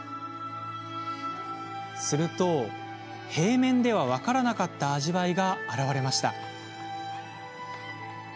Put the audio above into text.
すると、平面では分からなかった味わいが現れました。